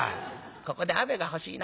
「ここで雨が欲しいな。